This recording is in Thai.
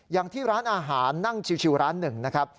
อย่างที่ร้านอาหารนั่งชิวร้านหนึ่งนะครับ